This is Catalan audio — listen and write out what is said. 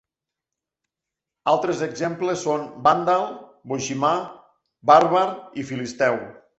Altres exemples són vàndal, boiximà, bàrbar i filisteu.